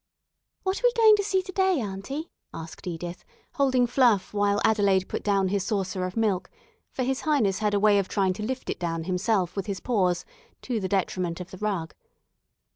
"What are we going to see to day, aunty?" asked Edith, holding Fluff while Adelaide put down his saucer of milk, for his Highness had a way of trying to lift it down himself with his paws, to the detriment of the rug.